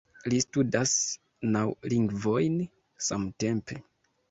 Li studas naŭ lingvojn samtempe